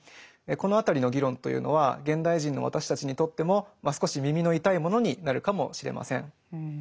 この辺りの議論というのは現代人の私たちにとっても少し耳の痛いものになるかもしれません。